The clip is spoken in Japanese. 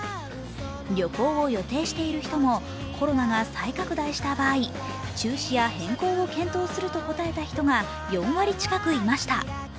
旅行を予定している人もコロナが再拡大した場合、中止や変更を検討すると答えた人が４割近くいました。